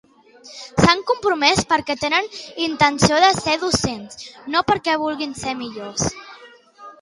S'han compromès perquè tenen intenció de ser decents, no perquè vulguin ser millors.